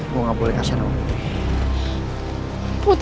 gua gak boleh kasihan sama putri